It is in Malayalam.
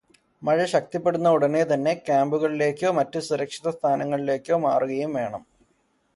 മഴ ശക്തിപ്പെടുന്ന ഉടനെ തന്നെ ക്യാമ്പുകളിലേക്കോ മറ്റു സുരക്ഷിതസ്ഥാനങ്ങളിലേക്കോ മാറുകയും വേണം.